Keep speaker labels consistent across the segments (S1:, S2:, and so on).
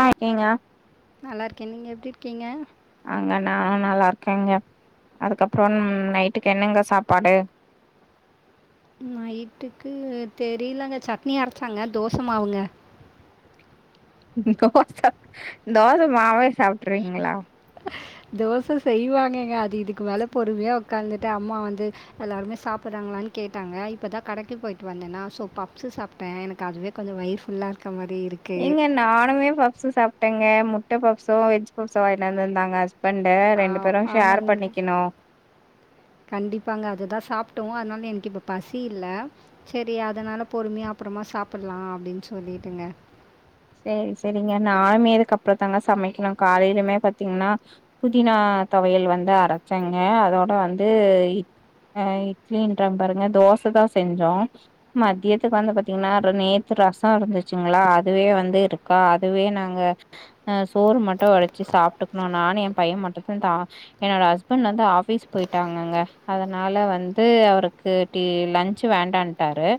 S1: ஆ ஏங்க
S2: நல்லா இருக்கே நீங்க எப்டி இரு க்கீங்க
S1: ஆங்க நா நல்லா இருக்கேங்க அதுக்கப்புறோ ம் நைட்டுக்கு என்னங்க சாப்பாடு
S2: நைட்டுக்கு தெரியலங்க சட்னி அரைச்சாங்க தோச மாவுங்க
S1: தோச தோச மாவே சாப் டறீங்களா
S2: தோச செய்வாங்கங்க அ து இதுக்கு மேல பொறுமையா ஒக் காந்துட்டு அம்மா வந்து எல்லாருமே சாப்பட்றாங்களான்னு கேட்டாங்க இப்பதா கடைக்கி போயிட்டு வந்தனா சோ பப்ஸு சாப்ட்டே எனக்கு அதுவே கொஞ்ச வயிறு ஃபுல்லா இருக்
S1: ஏங்க நானுமே பப்ஸு சாப் டங்க முட்ட பப்ஸு வெஜ் பப்ஸ் வாங்கிட்டு வந்திருந்தாங்க ஹஸ்
S2: ஆ ஆமாங் கண்டிப்பாங்க அதுதா சாப்ட்டோ அதனா ல எனக்கு இப்ப பசி இல்ல செரி அதனால பொறுமையா அப்பறமா சாப்பட்லா அப்டின்னு சொல்லிட்டங்க.
S1: சேரி சேரிங்க நானுமே இதுக்கு அப்புறந்தாங்க சமைக்கணு காலையிலுமே பாத்தீங்கன்னா புதினா தொவையல் வந்து அரைச்சங்க அதோட வந்து இட் ஆ இட்லின்றே பாருங்க தோசைதா செஞ்சோ மதியத்துக்கு வந்து பாத்தீங்ன்னா அப்புறோ நேத்து ரசோ இருந்துச்சுங்களா அதுவே வந் து இருக்கா அதுவே நாங்க ஆ சோறு மட்டு வடிச்சு சாப்ட்டுக்கணு நானு ஏன் பையன் மட்டுந்துந்தா என்னோட ஹஸ்பண்ட் வந்து ஆஃபீஸ் போயிட்டாங்கங்க அதனால வந்து அவருக்கு டீ லன்ச் வேண்டான்ட்டாரு.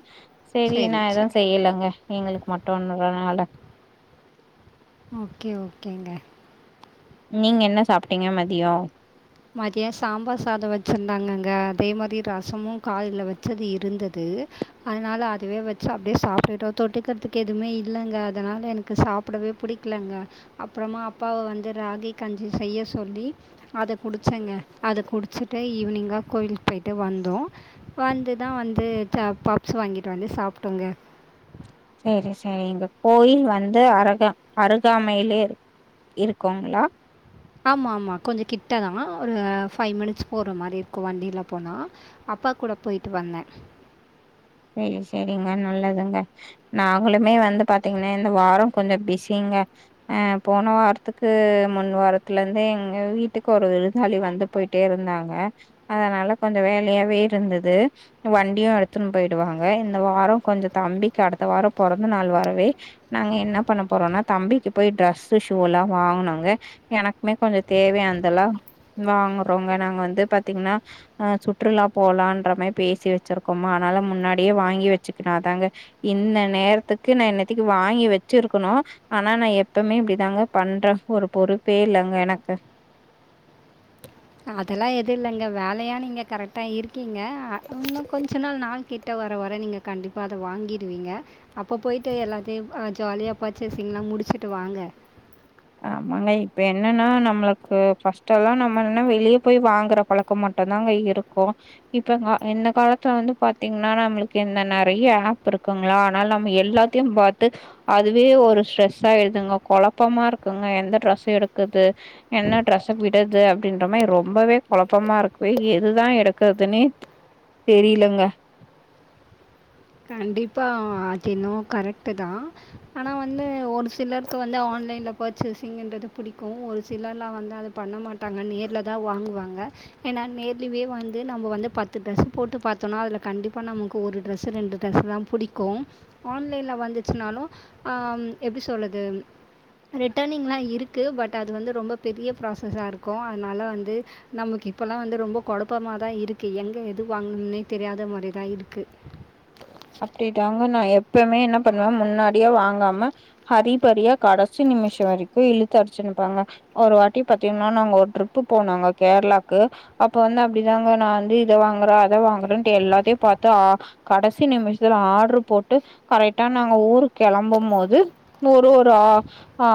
S1: செரி நா
S2: சரி
S1: எதுவு
S2: சரி
S1: செய்யலங்க எங்களுக் மட்டுங்கிறனால
S2: ஓகே ஓகேங்க.
S1: நீங்க என்ன சாப்ட்டீங்க மதியோ?
S2: மதியோ சாம்பார் சாதோ வச்சுருந்தாங்கங்க அதே மாரி ரசமு காலைல வச்சது இருந்தது அதனால அதுவே வச்சு அப்டியே சாப்ட்டுட்டோ தொட்டுக்கிறதுக்கு எதுமே இல்லங்க அதனால எனக்கு சாப்படவே பிடிக்கலங்க அப்புறமா அப்பாவ வந்து ராகி கஞ்சி செய்ய சொல்லி அத குடிச்சங்க அத குடிச்சிட்டு ஈவினிங்கா கோயிலுக்கு போய்ட்டு வந்தோ வந்துதா வந்து த பப்ஸ் வாங்கிட்டு வந்து சாப்ட்டோங்க.
S1: செரி செரிங்க கோயில் வந்து அருக அருகாமையிலயே இரு இருக்குங்களா
S2: ஆமா ஆமா கொஞ்ச கிட்டதா ஒரு ஃபைவ் மினிட்ஸ் போற மாரி இருக்கு வண்டில போனா அப்பா கூட போயிட்டு வந்தே.
S1: செரி செரிங்க நல்லதுங்க. நாங்களுமே வந்து பாத்தீங்கன்னா இந்த வாரோ கொஞ்ச பிஸிங்க. ஆ போன வாரத்துக்கு முன் வாரத்துல இருந்து எங்க வீட்டுக்கு ஒரு விருந்தாளி வந்து போயிட்டே இருந்தாங்க. அதனால கொஞ்ச வேலையாவே இருந்தது வண்டியு எடுத்துனு போய்டுவாங்க இந்த வாரோ கொஞ்ச தம்பிக்கு அடுத்த வாரோ பொறந்த நாள் வரவே நாங்க என்ன பண்ண போறோன்னா தம்பிக்கு போய் டிரெஸ், ஷூல்லா வாங்கணுங்க எனக்குமே கொஞ்ச தேவையானதெல்லா வாங்குறோங்க நாங்க வந்து பாத்தீங்ன்னா சுற்றுலா போலான்ற மாரி பேசி வச்சிருக்கோமா அதனால முன்னாடியே வாங்கி வச்சுக்கணு அதாங்க இந்த நேரத்துக்கு நா இந்நேரத்தக்கி வாங்கி வச்சுருக்கணு ஆனா நா எப்பமே இப்டிதாங்க பண்றே ஒரு பொறுப்பே இல்லங்க எனக்கு.
S2: அதெல்லா எது இல்லைங்க வேலையா நீங்க கரெக்டா இருக்கீங்க ஆ இன்னு கொஞ்ச நாள் நாள் கிட்ட வர வர நீங்க கண்டிப்பா அத வாங்கிடுவீங்க அப்போ போயிட்டு எல்லாத்தையு ஆ ஜாலியா பர்ச்சேஸிங்லா முடிச்சுட்டு வாங்க.
S1: ஆமாங்க இப்ப என்னன்னா நம்மளுக்கு ஃபஸ்ட்டல்லா நம்மல்லா வெளிய போய் வாங்குற பழக்கோ மட்டும்தாங்க இருக்கு இப்பங்க இந்த காலத்துல வந்து பாத்தீங்ன்னா நம்மளுக்கு இந்த நெறைய ஆப் இருக்குங்களா அதனால நம்ம எல்லாத்தையு பாத்து அதுவே ஒரு ஸ்ட்ரெஸ்ஸா ஆயிருதுங்க கொழப்பமா இரு க்குங்க எந்த ட்ரெஸ் எடுக்குறது என்ன டிரெஸ்ஸ விடறது அப்டின்ற மாரி ரொம்பவே கொழப்பமா இருக்கு எதுதா எடுக்குறதுன்னே தெ தெரியலங்க
S2: கரெக்ட்டுதா ஆனா வந்து ஒரு சிலருக்கு வந்து ஆன்லைன்ல பர்ச்சேஸிங்கன்றது பிடிக்கு ஒரு சிலர்லா வந்து அத பண்ண மாட்டாங்க நேர்லதா வாங்குவாங்க. ஏன்னா நேர்லிவே வந்து நம்ம வந்து பத்து ட்ரெஸ்ஸு போட்டு பாத்தோனா அதுல கண்டிப்பா நமக்கு ஒரு ட்ரெஸ்ஸு ரெண்டு ட்ரெஸ்தா புடிக்கு ஆன்லைன்ல வந்துச்சுனாலு அம் எப்டி சொல்லது ரிட்டர்னிங்லா இருக்கு பட் அது வந்து ரொம்ப பெரிய ப்ராசஸா இருக்கு அதனால வந்து நமக்கு இப்போலா வந்து ரொம்ப கொழப்பமாதா இருக்கு எங்க எது வாங்கணுனே தெரியாத மாரிதா இருக்கு.
S1: அப்டிதாங்க நா எப்பமே என்ன பண்ணுவ முன்னாடியே வாங்காம ஹரிபரியா கடைசி நிமிஷோ வரைக்கு இழுத்து அடிச்சுனுருப்பாங்க. ஒரு வாட்டி பாத்தீங்னா நாங்க ஒரு ட்ரிப்பு போனோங்க கேரளாக்கு. அப்ப வந்து அப்டிதாங்க நா வந்து இத வாங்கறே அத வாங்கறேன்ட்டு எல்லாத்தையு பாத்து ஆ கடைசி நிமிஷத்துல ஆர்ட்ரு போட்டு கரெக்டா நாங்க ஊருக் கெளம்பும் போது ஒரு ஒரு ஆ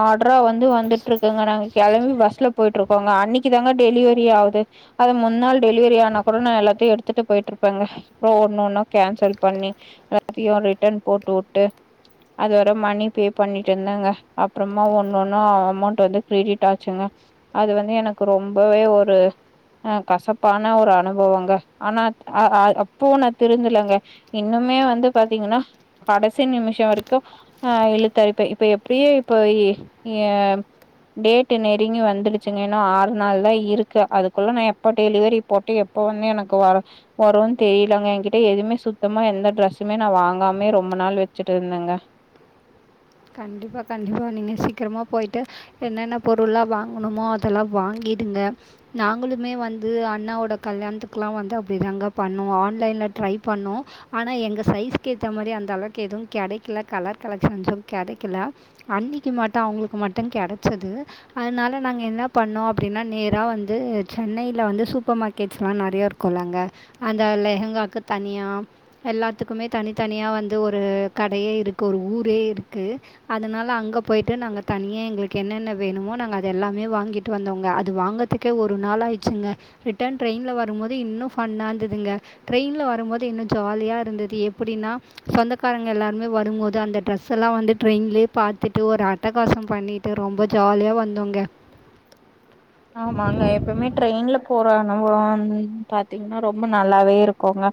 S1: ஆர்டரா வந்து வந்துட்ருக்கங்க நாங்க கெளம்பி பஸ்ல போயிட்ருக்கோங்க அன்னைக்குதாங்க டெலிவரி ஆகுது. அது முன்னால் டெலிவரி ஆனா கூட நா எல்லாத்தையு எடுத்துட்டு போயிட்ருப்பேங்க அப்ப ஒன்னு ஒன்னா கேன்சல் பண்ணி எல்லாத்தையு ரிட்டன் போட்டு உட்டு அதுவர மணி பே பண்ணிட்டு இருந்தேங்க அப்புறமா ஒண்ணு ஒண்ணா அமௌண்ட் வந்து கிரெடிட் ஆச்சுங்க அது வந்து எனக்கு ரொம்பவே ஒரு ஆ கசப்பான ஒரு அனுபவங்க ஆனா ஆ ஆ அப்பவு நா திருந்தலங்க. இன்னுமே வந்து பாத்தீங்கன்னா கடைசி நிமிஷோ வரைக்கும் ஆ இழுத்தடிப்பே இப்ப எப்டியே இப்போ இ யா டேட்டு நெருங்கி வந்துருச்சுங்க இன்னு ஆறு நாள்தா இருக்கு அதுக்குள்ள நா எப்போ டெலிவரி போட்டு எப்ப வந்து எனக்கு வ வருன் தெரியலங்க என்கிட்ட எதுமே சுத் தமா எந்த ட்ரெஸ்ஸுமே நா வாங்காமே ரொம்ப நாள் வச்சுட்டு இருந்தேங்க.
S2: கண்டிப்பா கண்டிப்பா நீங்க சீக்கிரமா போயிட்டு என்னென்ன பொருள்லா வாங்கணுமோ அதெல்லா வாங்கிடுங்க நாங்களுமே வந்து அண்ணாவோட கல்யாணத்துக்குலா வந்து அப்டிதாங்க பண்ணோ ஆன்லைன்ல ட்ரை பண்ணோ ஆனா எங்க சைஸ்கேத்த மாரி அந்த அளவுக்கு எதுவு கெடைக்கல கலர் கலெக்ஷன்ஸு கெடைக்கல அண்ணிக்கி மட்டு அவங்களுக்கு மட்டு கெடச்சது அதனால நாங்க என்ன பண்ணோ அப்பிடின்னா நேரா வந்து சென்னைல வந்து சூப்பர் மார்க்கெட்ஸ்லா நெறையா இருக்குல்ல அங்க அந்த லெஹங்காக்கு தனியா எல்லாத்துக்குமே தனித்தனியா வந்து ஒரு கடையே இருக்கு ஒரு ஊரே இரு க்கு அதனால அங்க போய்ட்டு நாங்க தனியே எங்ளுக்கு என்னென்ன வேணுமோ நாங்க அத எல்லாமே வாங்கிட்டு வந்தோங்க அது வாங்கதுக்கே ஒரு நாள் ஆய்டுச்சுங்க ரிட்டர்ன் ட்ரெயின்ல வரும் போது இன்னும் ஃபன்னா இருந்ததுங்க ட்ரெயினில வரும்போது இன்னு ஜாலியா இருந்தது எப்டின்னா சொந்தக்காரங்க எல்லாருமே வரும்போது அந்த ட்ரெஸ் ஃப்ரெண்ட்ஸ் எல்லா வந்து ட்ரெயின்லே பாத்துட்டு ஒரு அட்டகாசம் பண்ணிட்டு ரொம்ப ஜாலியா வந்தோங்க
S1: இப்ப நம்மோ வந்து பாத்தீங்னா ரொம்ப நல்லாவே இருக்கோங்க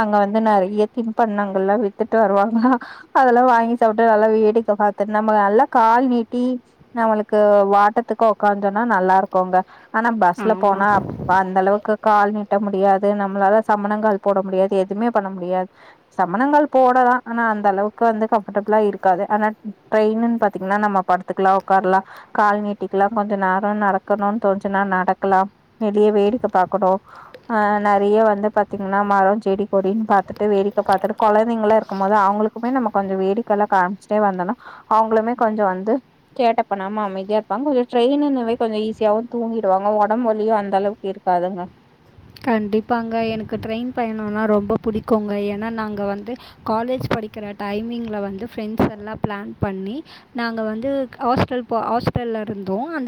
S1: அங்க வந்து நறைய தின்பண்டங்கல்லா வித்துட்டு வருவாங்க அதெல்லா வாங்கி சாப்ட்டு நல்லா வேடிக்க பாத்து நம்ம நல்லா கால் நீட்டி நம்மளுக்கு வாட்டத்துக்கு உக்காந்தோம்னா நல்லாருக் குங்க ஆனா பஸ்ல போனா
S2: ஆமாம்
S1: அப் அந்த அளவுக்கு கால் நீட்ட முடி முடியாது நம்ளால சமணங்கால் போட முடியாது எதுவுமே பண்ண முடியாது சமணங்கால் போடலா ஆனா அந்த அளவுக்கு வந்து கம்ஃபர்ட்டபிளா இருக்காது ஆனா ட்ரெயினின் பாத்தீங்கன்னா நம்ம படுத்துக்கலா உக்கார்லா கால் நீட்டிக்கலா கொஞ்ச நேரோ நடக் கனுனு தோணுச்சுனா நடக்லா வெளிய வேடிக்க பக்கணு ஆ நறைய வந்து பாத்தீங்கன்னா மரோ செடி கொடின்னு பாத்துட்டு வேடிக்க பாத்துட்டு கொழந்தைங்களாருக்கும் போது அவுங்களுக்குமே நம்ம கொஞ்சோ வேடிக்கைலா காமிச்சுட்டே வந்தனா அவுங்ளுமே கொஞ்சோ வந்து சேட்ட பண்ணாம அமைதியா இருப்பாங்க கொஞ்சோ ட்ரெயின்னுனாவே கொஞ்சோ ஈஸி சியாவும் தூங்கிடுவாங்க உடம் வலியும் அந்த அளவுக்கு இருக்காதுங்க
S2: கண்டிப்பாங்க எனக்கு ட்ரெயின் பயணம்னா ரொம் ப புடிக்குங்க ஏனா நாங்க வந்து காலேஜ் படிக்கிற டைமிங்ல வந்து ஃப்ரெண்ட்ஸ் எல்லா பிளான் பண்ணி நாங்க வந்து ஹாஸ்டல் போ ஹாஸ்டல்ல இருந்தோ அந்த